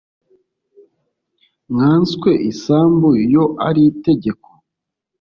Nkanswe isambu yo ari itegeko